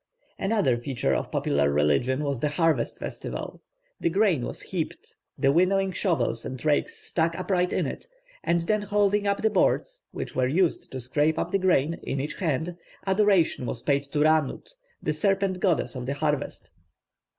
Another feature of popular religion was the harvest festival. The grain was heaped, the winnowing shovels and rakes stuck upright in it, and then holding up the boards (which were used to scrape up the grain) in each hand, adoration was paid to Rannut, the serpent goddess of the harvest.